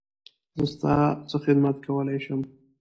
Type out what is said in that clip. زه ستا څه خدمت کولی شم؟